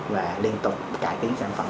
và liên tục cải tiến sản phẩm